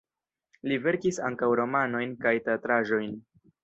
Li verkis ankaŭ romanojn kaj teatraĵojn.